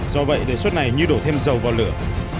do vậy đề xuất này như đổ thêm dầu vào lửa